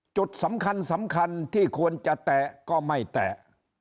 จุดสำคัญที่ควรจะแตะก็ไม่แตะ